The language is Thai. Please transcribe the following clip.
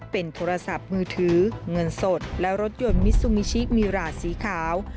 เป็นโทรศัพท์มือถือเงินสดและรถยนต์มิซูมิชิมีหราสีขาว